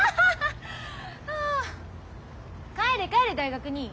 あ帰れ帰れ大学に。